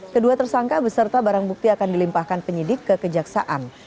kedua tersangka beserta barang bukti akan dilimpahkan penyidik ke kejaksaan